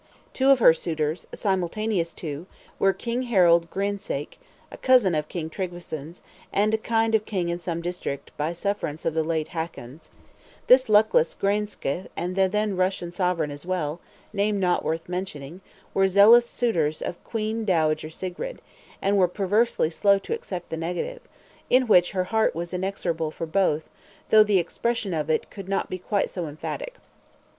Two of her suitors, a simultaneous Two, were, King Harald Graenske (a cousin of King Tryggveson's, and kind of king in some district, by sufferance of the late Hakon's), this luckless Graenske and the then Russian Sovereign as well, name not worth mentioning, were zealous suitors of Queen Dowager Sigrid, and were perversely slow to accept the negative, which in her heart was inexorable for both, though the expression of it could not be quite so emphatic.